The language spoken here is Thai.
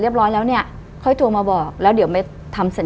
ไม่ต้องมาจำ